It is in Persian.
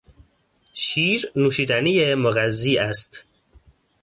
شیر نوشیدنی مغذی است.